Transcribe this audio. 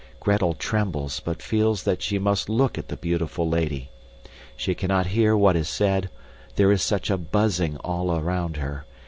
Gretel trembles but feels that she must look at the beautiful lady. She cannot hear what is said, there is such a buzzing all around her.